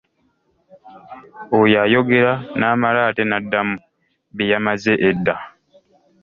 Oyo ayogera, n'amala ate n'addamu bye yamaze edda!